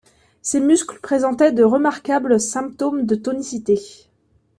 Ses muscles présentaient de remarquables symptômes de tonicité.